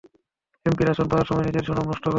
এমপির আসন পাওয়ার সময় নিজের সুনাম নষ্ট করবে না।